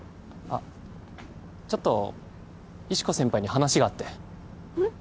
あっちょっと石子先輩に話があってうん？